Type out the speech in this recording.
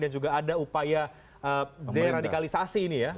dan juga ada upaya deradikalisasi ini ya